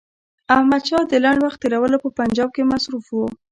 احمدشاه د لنډ وخت تېرولو په پنجاب کې مصروف وو.